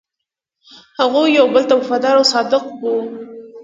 هغوی یو بل ته وفادار او صادق وو.